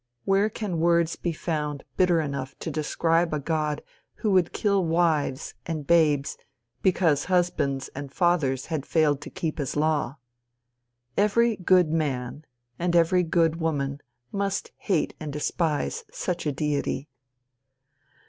Where can words be found bitter enough to describe a god who would kill wives and babes because husbands and fathers had failed to keep his law? Every good man, and every good woman, must hate and despise such a deity.